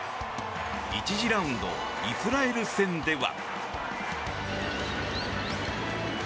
１次ラウンドイスラエル戦では。